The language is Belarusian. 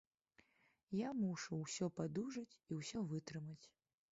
Я мушу ўсё падужаць і ўсё вытрымаць.